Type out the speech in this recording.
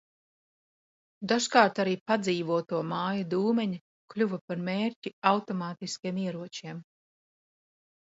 Dažkārt arī padzīvoto māju dūmeņi kļuva par mērķi automātiskiem ieročiem.